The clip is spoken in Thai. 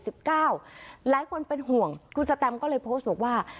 หลายคนเป็นห่วงคุณสแตมก็เลยโพสต์บอกว่า